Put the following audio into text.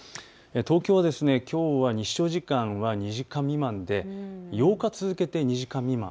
東京はきょうは日照時間は２時間未満で８日続けて２時間未満。